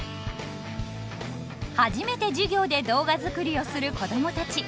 初めて授業で動画作りをする子供たち。